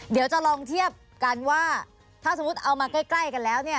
เดี๋ยวจะลองเทียบกันว่าถ้าสมมุติเอามาใกล้กันแล้วเนี่ย